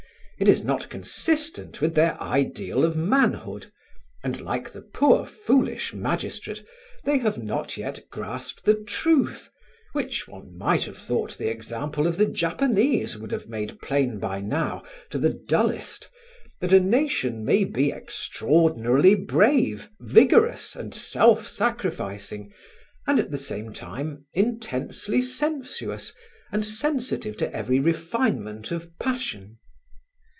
It is not consistent with their ideal of manhood, and, like the poor foolish magistrate, they have not yet grasped the truth, which one might have thought the example of the Japanese would have made plain by now to the dullest, that a nation may be extraordinarily brave, vigorous and self sacrificing and at the same time intensely sensuous, and sensitive to every refinement of passion.